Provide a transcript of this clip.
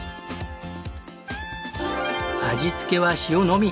味付けは塩のみ。